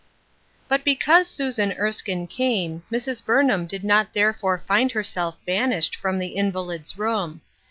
BUT because Susan Erskine came, Mrs. Burn ham did not therefore find herself banished from the invalid's room.